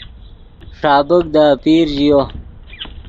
ݰابیک دے آپیر ژیو